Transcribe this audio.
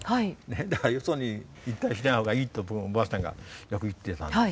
だからよそに行ったりしないほうがいいと僕のおばあさんがよく言ってたんです。